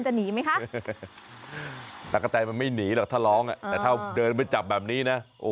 หนีไหมคะตะกะแตนมันไม่หนีหรอกถ้าร้องแต่ถ้าเดินไปจับแบบนี้นะ